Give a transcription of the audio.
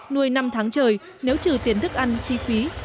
nuôi năm tháng trời nếu trừ tiền thức ăn chi phí